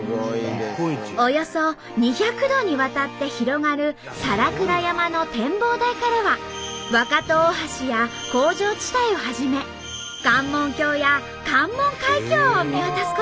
およそ２００度にわたって広がる皿倉山の展望台からは若戸大橋や工場地帯をはじめ関門橋や関門海峡を見渡すことができます。